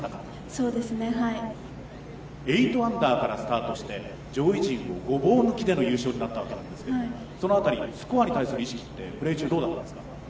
８アンダーからスタートして、上位陣をごぼう抜きの優勝になったわけですけれども、そのあたり、スコアに対する意識って、プレー中はどうだったんですか。